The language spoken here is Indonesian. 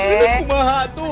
ini cuma hatu